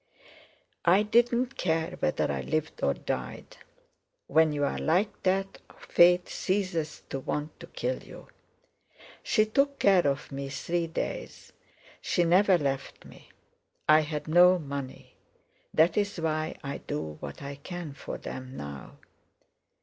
"I didn't care whether I lived or died. When you're like that, Fate ceases to want to kill you. She took care of me three days—she never left me. I had no money. That's why I do what I can for them, now."